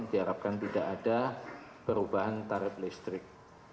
diharapkan tidak ada perubahan tarif listrik